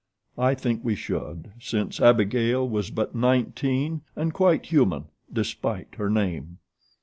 I think we should, since Abigail was but nineteen and quite human, despite her name.